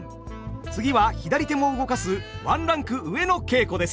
次は左手も動かすワンランク上の稽古です。